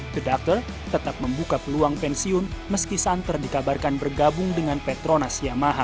the doctor tetap membuka peluang pensiun meski santer dikabarkan bergabung dengan petronasi yamaha